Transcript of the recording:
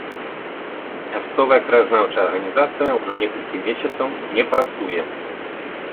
Мясцовая краязнаўчая арганізацыя ўжо некалькі месяцаў не працуе.